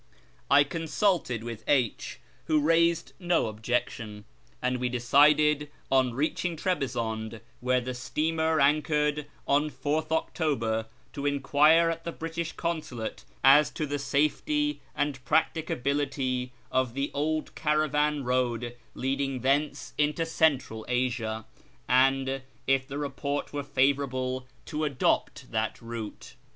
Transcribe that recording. I consulted with H , who raised no objection ; FROM ENGLAND TO THE PERSIAN FRONTIER 19 and we decided ou reaching Trebizonde (where the steamer anchored on 4th October) to enquire at the British Consulate as to the safety and practicability of the old caravan road leading thence into Central Asia, and, if the report were favourable, to adopt that route.